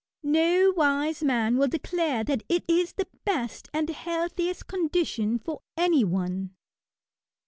No wise man will declare that it is the best and healthiest condition for any one.